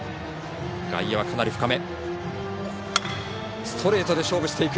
外野はかなり深め。